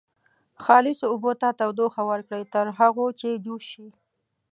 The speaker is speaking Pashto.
خالصو اوبو ته تودوخه ورکړئ تر هغو چې جوش شي.